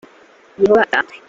ml yehova abatega amatwi